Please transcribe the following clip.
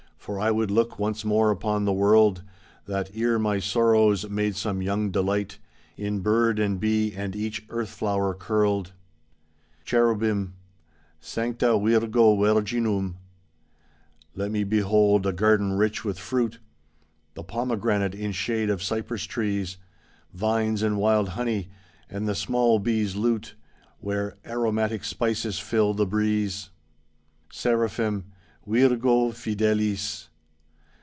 For I would look once more upon the world. That ere my sorrows made some young delight In bird and bee and each earth flower uncurled. Cherubim: "Sancta Virgo Virginum. Let me behold a garden rich with fruit. The pomegranate in shade of cypress trees. Vines and wild honey, and the small bees' lute. Where aromatic spices fill the breeze. Seraphim: "Virgo fidelis.'